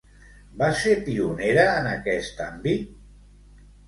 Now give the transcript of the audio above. Va ser pionera en aquest àmbit?